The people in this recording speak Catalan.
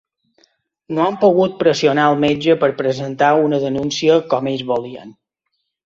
No han pogut pressionar el metge per presentar una denúncia com ells volien.